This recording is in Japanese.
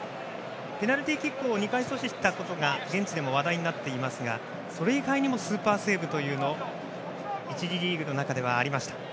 ペナルティーキックを２回阻止したことが現地でも話題になっていますがそれ以外にもスーパーセーブが１次リーグの中ではありました。